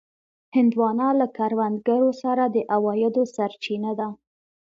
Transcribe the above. هندوانه له کروندګرو سره د عوایدو سرچینه ده.